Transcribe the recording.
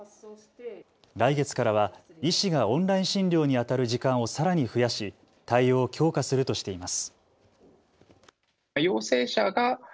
来月からは医師がオンライン診療にあたる時間をさらに増やし対応を強化するとしています。